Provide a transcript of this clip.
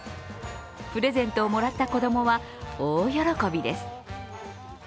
プレゼントをもらった子供は大喜びです。